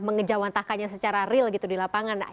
mengejawantakannya secara real gitu di lapangan